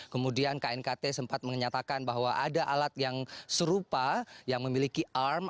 kemudian knkt sempat menyatakan bahwa ada alat yang serupa yang memiliki arm